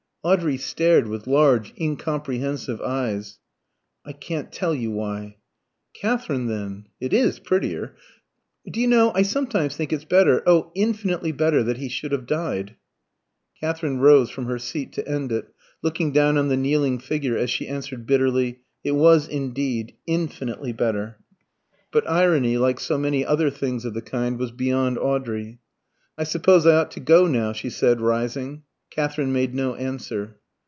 Audrey stared with large, incomprehensive eyes. "I can't tell you why." "Katherine, then it is prettier. Do you know, I sometimes think it's better, oh, infinitely better, that he should have died." Katherine rose from her seat, to end it, looking down on the kneeling figure, as she answered bitterly "It was indeed infinitely better." But irony, like so many other things of the kind, was beyond Audrey. "I suppose I ought to go now," she said, rising. Katherine made no answer.